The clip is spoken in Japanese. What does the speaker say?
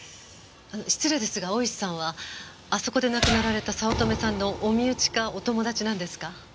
失礼ですが大石さんはあそこで亡くなられた早乙女さんのお身内かお友達なんですか？